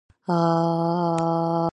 皆は笑いました。